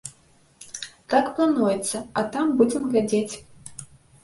Так плануецца, а там будзем глядзець.